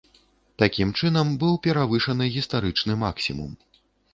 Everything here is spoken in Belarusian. Такім чынам, быў перавышаны гістарычны максімум.